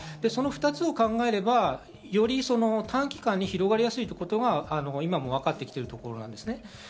その２つを考えると、より短期間に広がりやすいということがわかってきているところです。